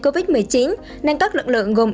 covid một mươi chín nên các lực lượng gồm